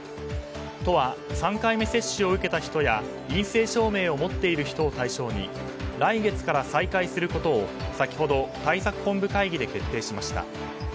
都は３回目接種を受けた人や陰性証明を持っている人を対象に来月から再開することを先ほど対策本部会議で決定しました。